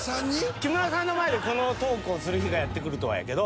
木村さんの前でこのトークをする日がやってくるとはやけど。